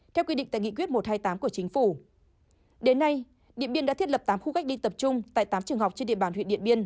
theo quy định tại nghị quyết một trăm hai mươi tám của chính phủ